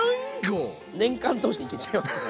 年間通していけちゃいますね。